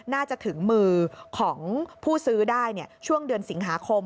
น่าจะถึงมือของผู้ซื้อได้ช่วงเดือนสิงหาคม